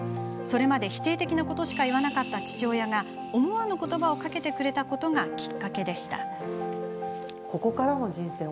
それまで否定的なことしか言わなかった父親が思わぬことばをかけてくれたことがきっかけでした。